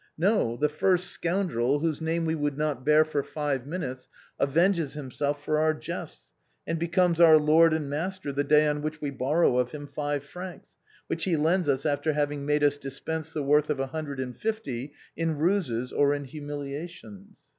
No, the first scoundrel, whose name we would not bear for five minutes, avenges himself for our jests, and becomes our lord and master the day on which we borrow of him five francs, which he lends us after having made us dispense the worth of a hundred and fifty in ruses or in humiliations.